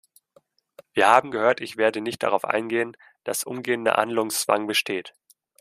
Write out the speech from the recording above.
Wir haben gehört ich werde nicht darauf eingehen -, dass umgehender Handlungszwang besteht.